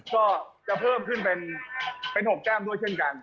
ก็จะเพิ่มขึ้นเป็น๖แก้มด้วยเช่นกัน